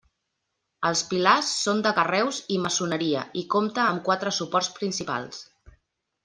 Els pilars són de carreus i maçoneria i compta amb quatre suports principals.